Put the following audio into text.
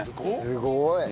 すごい。